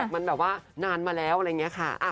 มันแบบว่านานมาแล้วอะไรอย่างนี้ค่ะ